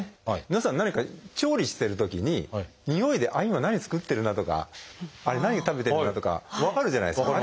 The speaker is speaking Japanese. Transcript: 皆さん何か調理してるときににおいで今何作ってるなとかあれ何を食べてるなとか分かるじゃないですか。